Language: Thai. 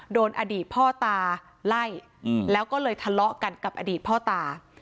โดนอดีตพ่อตาไล่แล้วก็เลยทะเลาะกันกับอดีตพ่อตา